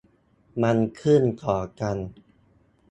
มันขึ้นต่อกัน